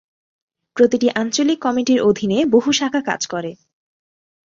প্রতিটি আঞ্চলিক কমিটির অধীনে বহু শাখা কাজ করে।